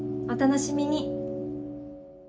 お楽しみに！